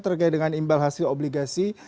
terkait dengan imbal hasil obligasi